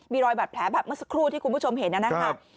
มีรอยบาดแผลแบบเมื่อสักครู่ที่คุณผู้ชมเห็นนะครับ